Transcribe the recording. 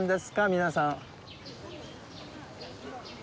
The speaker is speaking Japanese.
皆さん。